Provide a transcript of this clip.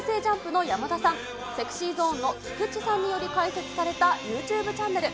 ＪＵＭＰの山田さん、ＳｅｘｙＺｏｎｅの菊池さんにより開設されたユーチューブチャンネル。